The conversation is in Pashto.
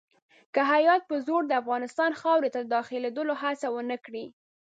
که هیات په زور د افغانستان خاورې ته داخلېدلو هڅه ونه کړي.